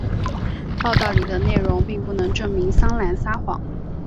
报道里的内容并不能证明桑兰撒谎。